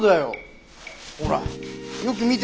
ほらよく見てよ。